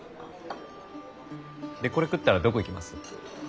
でこれ食ったらどこ行きます？